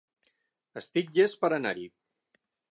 Estic llest per anar-hi.